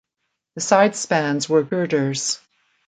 The side spans were girders.